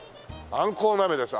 あんこうでしょ？